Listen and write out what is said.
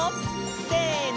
せの！